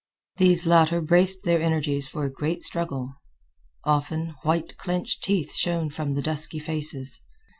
These latter braced their energies for a great struggle. Often, white clinched teeth shone from the dusky faces.